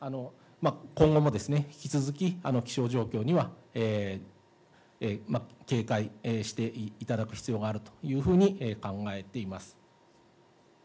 今後も引き続き、気象状況には警戒していただく必要があるというふうに考えています。